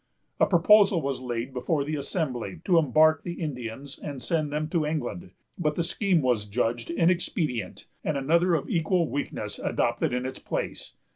A proposal was laid before the Assembly to embark the Indians and send them to England; but the scheme was judged inexpedient, and another, of equal weakness, adopted in its place.